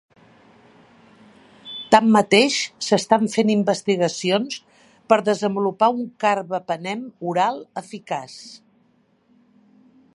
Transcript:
Tanmateix, s'estan fent investigacions per desenvolupar un carbapenem oral eficaç.